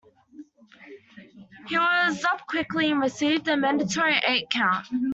He was up quickly and received a mandatory eight-count.